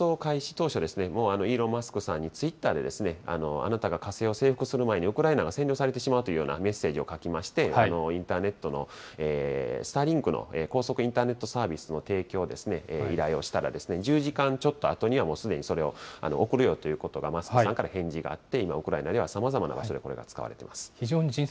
当初、イーロン・マスクさんにツイッターであなたが火星を征服する前に、ウクライナが占領されてしまうというようなメッセージを書きまして、インターネットのスターリンクの高速インターネットサービスの提供を依頼をしたら、１０時間ちょっとあとにはもうすでにそれを送るよということが、マスクさんから返事があって、今、ウクライナではさまざまな場所で使われています。